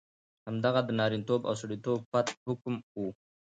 همدغه د نارینتوب او سړیتوب پت حکم وو.